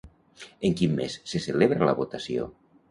En quin mes se celebra la votació?